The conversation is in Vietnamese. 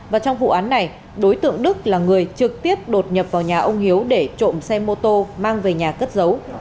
và trong vụ án này đối tượng đức là người trực tiếp đột nhập vào nhà ông hiếu để trộm xe mô tô mang về nhà cất giấu